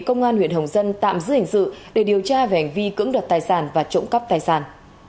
công an huyện hồng dân tạm giữ hình sự để điều tra về hành vi cưỡng đoạt tài sản và trộm cắp tài sản